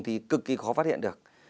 thì cực kỳ khó phát hiện được